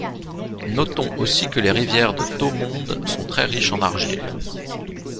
Notons aussi que les rivières de Thomonde sont très riches en argile.